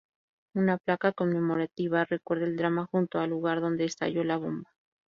Una placa conmemorativa recuerda el drama junto al lugar donde estalló la bomba.